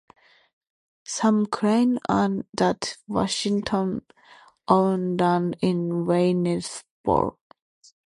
Some claim that Washington owned land in Waynesboro.